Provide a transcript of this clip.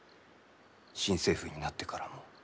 新政府になってからも。